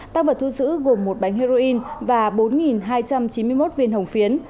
tăng vật thu giữ gồm một bánh heroin và bốn hai trăm chín mươi một viên hồng phiến